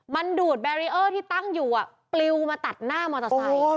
มันดูดแบรีเออร์ที่ตั้งอยู่ปลิวมาตัดหน้ามอเตอร์ไซค์